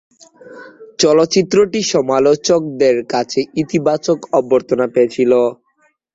চলচ্চিত্রটি সমালোচকদের কাছে ইতিবাচক অভ্যর্থনা পেয়েছিল।